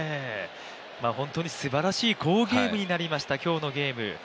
本当にすばらしい好ゲームになりました、今日のゲーム。